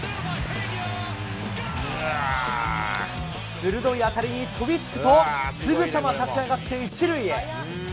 鋭い当たりに飛びつくと、すぐさま立ち上がって一塁へ。